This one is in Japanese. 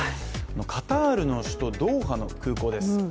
カタールの首都ドーハの空港です。